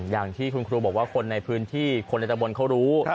อย่างที่คุณครูบอกว่าคนในพื้นที่คนในตะบนเขารู้